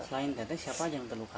selain tetes siapa aja yang terluka